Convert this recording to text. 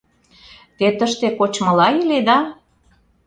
Те тыште кочмыла иледа?